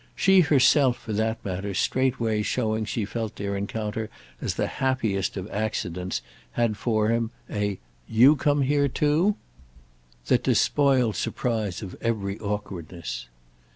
She herself, for that matter, straightway showing she felt their encounter as the happiest of accidents, had for him a "You come here too?" that despoiled surprise of every awkwardness.